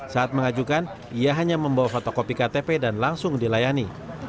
saat mengajukan ia hanya membawa fotokopi ktp dan langsung dilayani